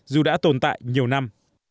dù đã tồn tại nhiều năm